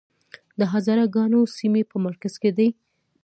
د هزاره ګانو سیمې په مرکز کې دي